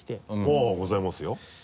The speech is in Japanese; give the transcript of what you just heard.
あぁございますよ。